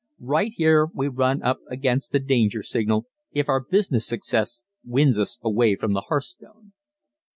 Right here we run up against the danger signal if our business success wins us away from the hearthstone.